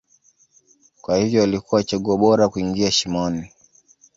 kwa hivyo alikuwa chaguo bora kuingia shimoni